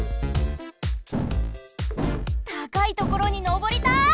たかいところにのぼりたい！